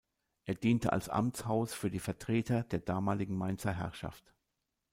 Es diente als Amtshaus für die Vertreter der damaligen Mainzer Herrschaft.